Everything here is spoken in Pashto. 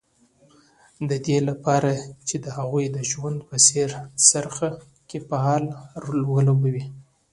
د دې لپاره چې د هغوی د ژوند په څرخ کې فعال رول ولوبوي